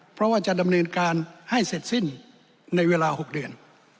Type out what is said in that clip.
เพราะว่าจะดำเนินการให้เสร็จสิ้นในเวลา๖เดือน